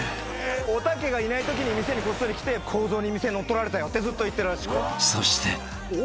おたけがいないときに店にこっそり来て「浩三に店乗っ取られたよ」ってずっと言ってるらしくて。